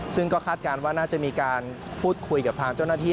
ซึ่งก็คาดการณ์ว่าน่าจะมีการพูดคุยกับทางเจ้าหน้าที่